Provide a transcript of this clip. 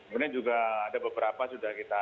kemudian juga ada beberapa sudah kita